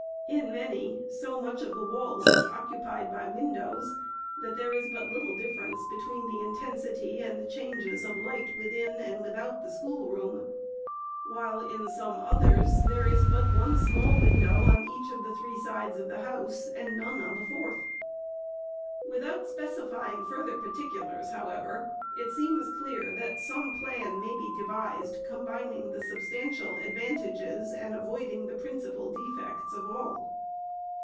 In many, so much of the walls is occupied by windows, that there is but little difference between the intensity and the changes of light within and without the schoolroom : while in some others, there is but one small window on each of the three sides of the house, and none 011 the fourth. Without specifying further particulars, however, it seems clear that some plan may be devised, combining the substantial advantages and avoiding the principal defects of all.